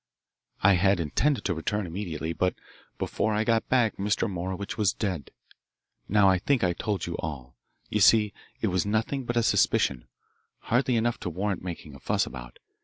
"I had intended to return immediately, but before I got back Mr. Morowitch was dead. Now I think I've told you all. You see, it was nothing but a suspicion hardly enough to warrant making a fuss about.